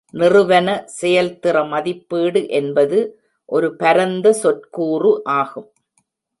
நிறுவன செயல்திற மதிப்பீடு என்பது ஒரு பரந்த சொற்கூறு ஆகும்.